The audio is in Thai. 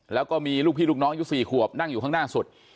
แล้วก็มีลูกพี่ลูกน้องอยู่๔ขวบนั่งอยู่ข้างหน้าสุด